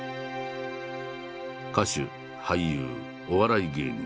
歌手俳優お笑い芸人。